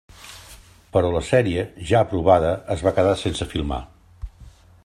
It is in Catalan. Però la sèrie, ja aprovada, es va quedar sense filmar.